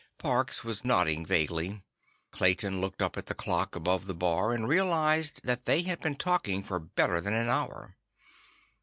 Parks was nodding vaguely. Clayton looked up at the clock above the bar and realized that they had been talking for better than an hour.